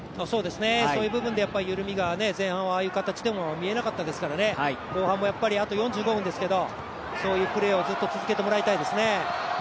そういう部分で緩みが、前半はああいった形でも見えませんでしたけど後半も４５分ですけどそういうプレーをずっと続けてもらいたいですね。